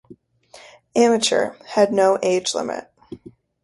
Amateur, had no age limit.